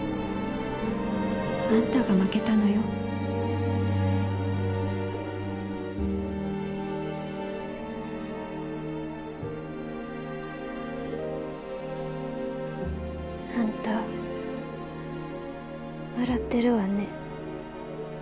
あんたが負けたのよあんた笑ってるわね。